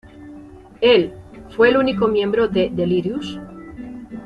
El, fue el único miembro de Delirious?